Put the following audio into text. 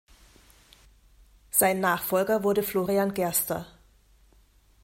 Sein Nachfolger wurde Florian Gerster.